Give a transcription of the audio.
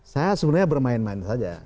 saya sebenarnya bermain main saja